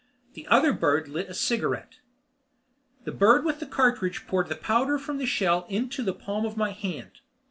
The other bird lit a cigarette. The bird with the cartridge poured the powder from the shell into the palm of my hand.